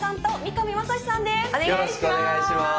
よろしくお願いします。